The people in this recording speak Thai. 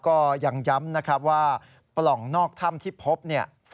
ก็ยังย้ำนะครับว่าปล่องนอกถ้ำที่พบเนี่ย